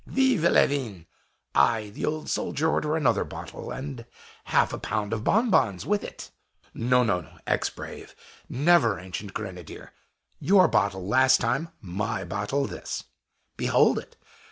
Vive le vin! I, the old soldier, order another bottle, and half a pound of bonbons with it!" "No, no, ex brave; never ancient grenadier! Your bottle last time; my bottle this. Behold it!